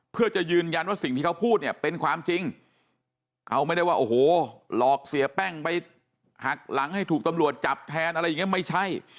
เพื่อจะยืนยันว่าสิ่งที่เขาพูดเนี่ยเป็นความจริงเขาไม่ได้ว่าโอ้โหหลอกเสียแป้งไปหักหลังให้ถูกตำรวจจับแทนอะไรอย่างนี้ไม่ใช่